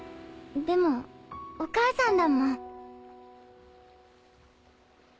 でもお母さんだもん